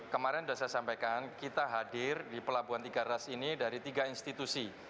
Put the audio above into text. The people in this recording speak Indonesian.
kemarin sudah saya sampaikan kita hadir di pelabuhan tiga ras ini dari tiga institusi